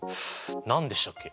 何でしたっけ？